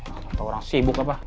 ya allah tau orang sibuk apa